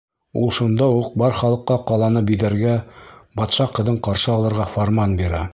Ул шунда уҡ бар халыҡҡа ҡаланы биҙәргә, батша ҡыҙын ҡаршы алырға фарман бирә.